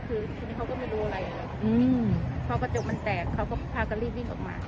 คือทีนี้เขาก็ไม่รู้อะไรเลยพอกระจกมันแตกเขาก็พากันรีบวิ่งออกมา